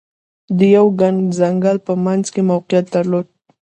د یوه ګڼ ځنګل په منځ کې موقعیت درلود.